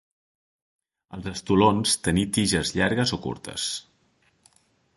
Els estolons tenir tiges llargues o curtes.